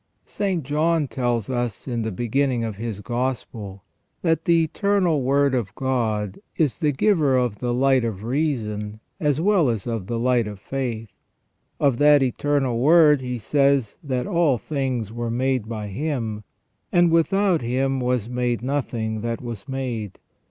St. John tells us in the beginning of his Gospel that the Eternal Word of God is the giver of the light of reason as well as of the light of faith. Of that Eternal Word he says that "all things were made by Himj and without Him was made nothing that was made.